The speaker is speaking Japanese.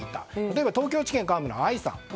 例えば、東京地検の幹部のＩさん。